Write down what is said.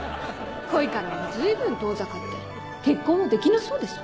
恋からも随分遠ざかって結婚もできなそうです。